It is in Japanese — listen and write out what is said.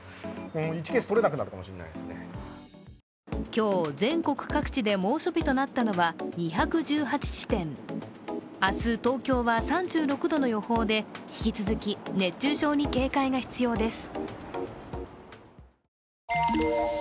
今日、全国各地で猛暑日となったのは２１８地点、明日、東京は３６度の予報で引き続き熱中症に警戒が必要です。